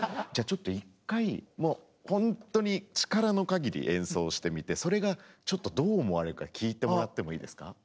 じゃあちょっと一回ほんとに力の限り演奏してみてそれがちょっとどう思われるか聴いてもらってもいいですか。